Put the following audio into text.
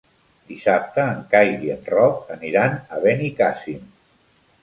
Dissabte en Cai i en Roc aniran a Benicàssim.